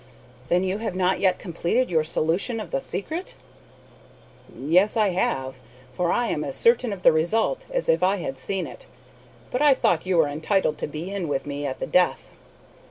"Then you have not yet completed your solution of the secret?" "Yes, I have; for I am as certain of the result as if I had seen it, but I thought you were entitled to be in with me at the death."